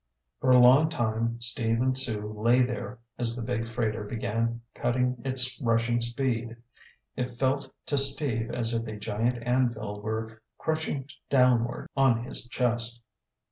For a long time, Steve and Sue lay there as the big freighter began cutting its rushing speed. It felt to Steve as if a giant anvil were crushing downward on his chest.